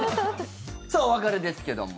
さあ、お別れですけども。